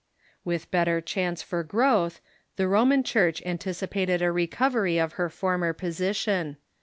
* With better chance for growth, the Roman Church antici pated a recovery of her former position.